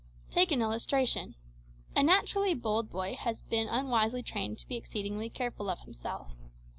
Take an illustration. A naturally bold boy has been unwisely trained to be exceedingly careful of himself.